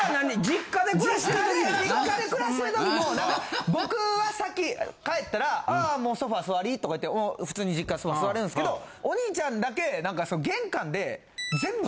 実家で暮らしてるときも僕は先帰ったら「あもうソファ座り」とかって普通に実家座れるんですけどお兄ちゃんだけ玄関で。